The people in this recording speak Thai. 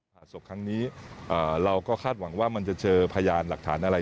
หากศพครั้งนี้เราก็คาดหวังว่ามันจะเจอพยานหลักฐานอะไร